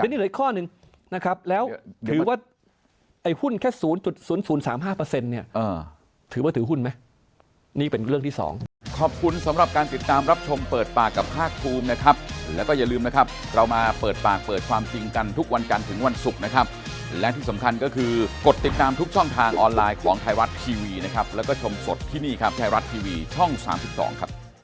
นี่เหลืออีกข้อหนึ่งถือว่าหุ้นแค่๐๐๐๓๕ถือว่าถือหุ้นไหมนี่เป็นเรื่องที่สอง